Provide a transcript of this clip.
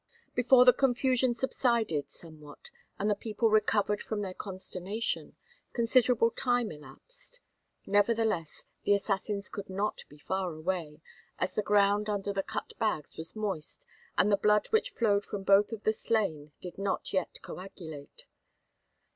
Before the confusion subsided somewhat and the people recovered from their consternation, considerable time elapsed; nevertheless, the assassins could not be far away, as the ground under the cut bags was moist and the blood which flowed from both of the slain did not yet coagulate.